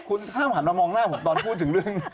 คุณห้ามหันมามองหน้าผมตอนพูดถึงเรื่อง